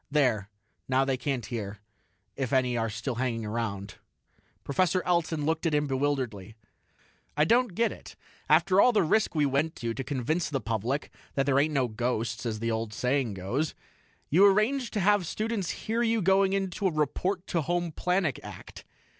"There; now they can't hear if any are still hanging around." Professor Elton looked at him bewilderedly. "I don't get it. After all the risk we went to, to convince the public that there ain't no ghosts as the old saying goes you arrange to have students hear you going into a 'report to the home planet' act.